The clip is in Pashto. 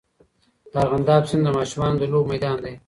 د ارغنداب سیند د ماشومانو د لوبو میدان دی.